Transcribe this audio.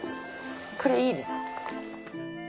これいいね。